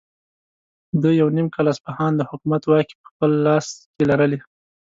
ده یو نیم کال اصفهان د حکومت واکې په خپل لاس کې لرلې.